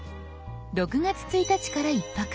６月１日から１泊。